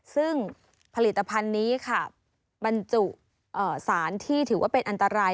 ซึ่งผลิตภัณฑ์นี้ค่ะบรรจุสารที่ถือว่าเป็นอันตราย